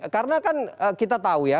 karena kan kita tahu ya